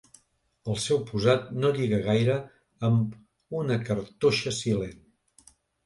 El seu posat no lliga gaire amb una cartoixa silent.